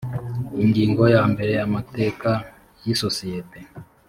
ingingo ya mbere amateka y isosiyete